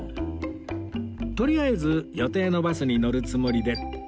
とりあえず予定のバスに乗るつもりで